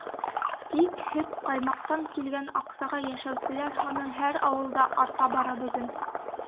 Тик һөт-ҡаймаҡтан килгән аҡсаға йәшәүселәр һаны һәр ауылда арта бара бөгөн.